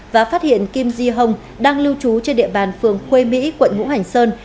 và phát hiện kim di hồng đang lưu trú trên địa bàn phường khuê mỹ quận ngũ hành sơn